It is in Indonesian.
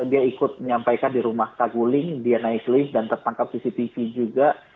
dia ikut menyampaikan di rumah saguling dia naik lift dan tertangkap cctv juga